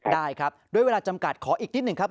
ได้ครับด้วยเวลาจำกัดขออีกนิดหนึ่งครับ